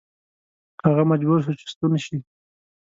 هغه مجبور شو چې ستون شي.